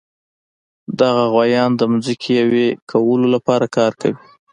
دغه غوایان د ځمکې یوې کولو لپاره کار کوي.